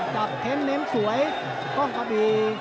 กับเท้นเนมสวยก้องกะบี่